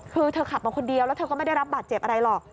คือเธอขับมาคนเดียวแล้วเธอก็ไม่ได้รับบาดเจ็บอะไรหรอก